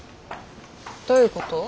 どういうこと？